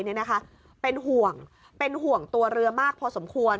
นี่นะคะเป็นห่วงเป็นห่วงตัวเรือมากพอสมควร